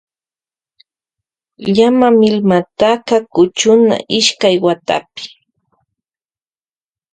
Llama milmataka kuchuna ishkayta watapi.